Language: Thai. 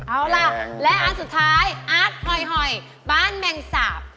อาร์ดหอยหอยบ้านแหม่งสาบ